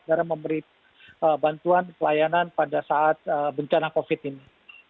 karena memberi bantuan pelayanan pada saat bencana covid ini